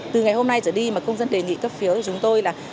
từ ngày hôm nay trở đi mà công dân đề nghị cấp phiếu của chúng tôi là